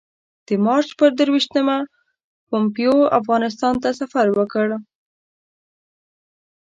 د مارچ پر درویشتمه پومپیو افغانستان ته سفر وکړ.